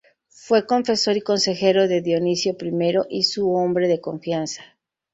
Fue confesor y consejero de Dionisio I y su hombre de confianza.